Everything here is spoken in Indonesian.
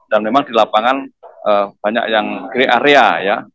dan memang di lapangan banyak yang grey area ya